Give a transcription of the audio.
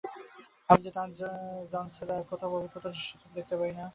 আমি যে তাঁর জন ছাড়া আর কোথাও পবিত্রতা ও নিঃস্বার্থতা দেখতে পাই না।